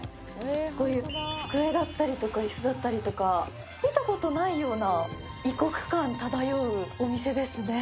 机だったりとか椅子だったりとか、見たことないような異国感漂うお店ですね。